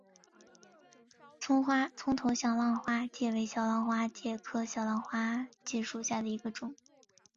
葱头小浪花介为小浪花介科小浪花介属下的一个种。